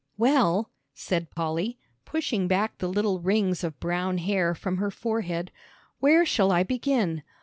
"Well," said Polly, pushing back the little rings of brown hair from her forehead, "where shall I begin?